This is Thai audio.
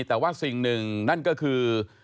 แต่ว่าสิ่งหนึ่งนั่นก็คือ